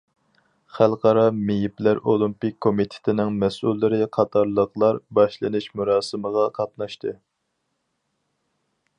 خەلقئارا مېيىپلەر ئولىمپىك كومىتېتىنىڭ مەسئۇللىرى قاتارلىقلار باشلىنىش مۇراسىمىغا قاتناشتى.